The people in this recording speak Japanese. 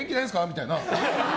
みたいな。